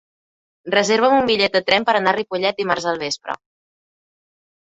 Reserva'm un bitllet de tren per anar a Ripollet dimarts al vespre.